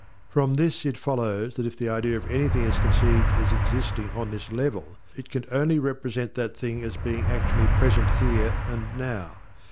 From this it follows that if the idea of anything is conceived as existing on this level it can only represent that thing as being actually present here and now.